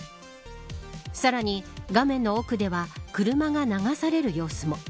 さらに画面の奥では車が流される様子も。